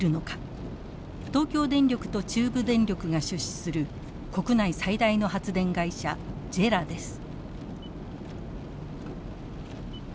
東京電力と中部電力が出資する国内最大の発電会社ＪＥＲＡです。